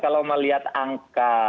kalau melihat angka